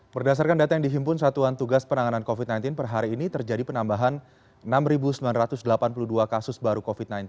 berdasarkan data yang dihimpun satuan tugas penanganan covid sembilan belas per hari ini terjadi penambahan enam sembilan ratus delapan puluh dua kasus baru covid sembilan belas